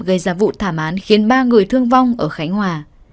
gây ra vụ thảm án khiến ba người thương vong ở khánh hòa